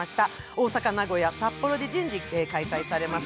大阪、名古屋、札幌で順次開催されます。